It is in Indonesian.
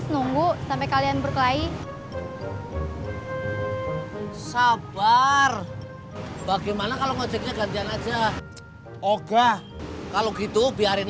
nunggu sampai kalian berkelahi sabar bagaimana kalau ngejeknya gantian aja oga kalau gitu biarin